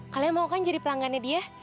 kalian mau kan jadi pelanggannya dia